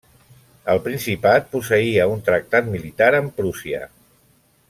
El Principat posseïa un tractat militar amb Prússia.